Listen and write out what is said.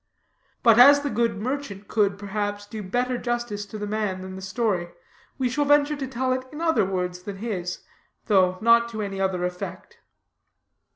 But as the good merchant could, perhaps, do better justice to the man than the story, we shall venture to tell it in other words than his, though not to any other effect.